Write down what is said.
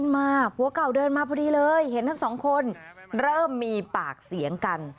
มาพอดีเลยเห็นทั้ง๒คนเริ่มมีปากเสียงกัน